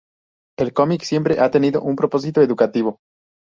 El cómic siempre ha tenido un propósito educativo.